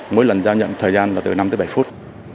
mỗi lần giao nhận thời gian là từ năm tới bảy phút